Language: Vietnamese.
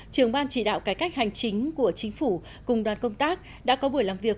trường ban chỉ đạo cải cách hành chính của chính phủ cùng đoàn công tác đã có buổi làm việc